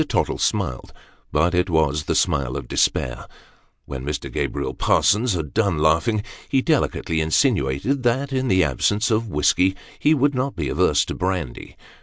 Tottle smiled but it was the smile of despair. When Mr. Gabriel Parsons had done laughing, he delicately insinuated that, in the absence of whiskey, he would not be averse to brandy.